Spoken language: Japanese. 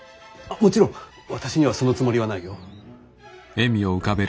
もちろん私にはそのつもりはないよ。